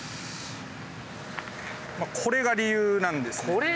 まあこれが理由なんですね。